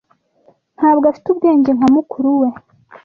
Ntabwo afite ubwenge nka mukuru we.